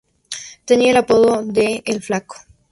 Tenía el apodo de "el Flaco".